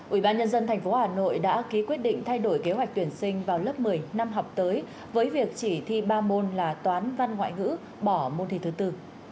ubnd tp hà nội đã ký quyết định thay đổi kế hoạch tuyển sinh vào lớp một mươi năm học tới với việc chỉ thi ba môn là toán văn ngoại ngữ bỏ môn thi thứ bốn